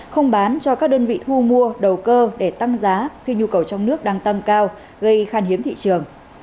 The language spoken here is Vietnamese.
không bán cho các đơn vị thu mua đầu cơ để tăng giá khi nhu cầu trong nước đang tăng cao gây khan hiếm thị trường